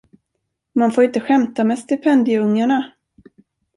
Man får inte skämta med stipendieungarna!